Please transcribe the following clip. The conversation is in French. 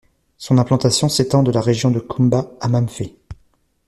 Son implantation s'étend de la région de Kumba à Mamfé.